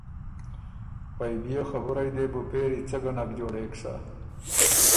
پئ بيې خبُرئ دې بو پېری څۀ ګۀ نک جوړېک سۀ۔